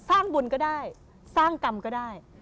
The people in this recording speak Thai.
สร้างบุญก็ได้สร้างกรรมก็ได้